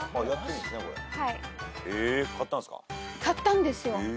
買ったんですよ。